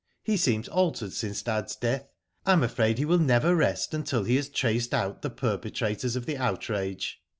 He seems altered since dad's death. I am afraid he will never rest until he has traced out the perpetrators of the outrage."